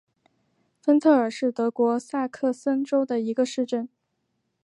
芬特尔是德国下萨克森州的一个市镇。